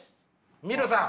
ミルさん。